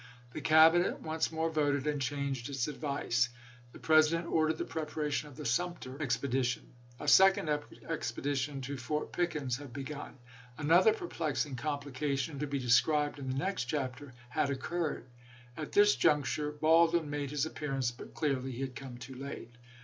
The Cabinet once more voted, and changed its advice. The President ordered the preparation of the Sumter expedition. A second expedition to Fort Pickens had been begun. Another perplexing complication, to be described in the next chapter, had occurred. At this juncture Baldwin made his appearance, but clearly he had come too late.